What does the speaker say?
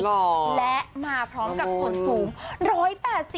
และมาพร้อมกับส่วนสูง๑๘๐